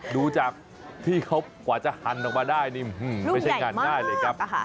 ดูจากที่เขากว่าจะหั่นออกมาได้นี่ไม่ใช่งานง่ายเลยครับ